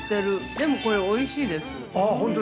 でも、これおいしいです。